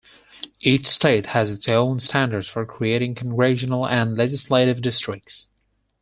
Each state has its own standards for creating Congressional and legislative districts.